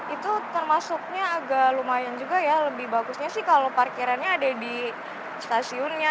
itu termasuknya agak lumayan juga ya lebih bagusnya sih kalau parkirannya ada di stasiunnya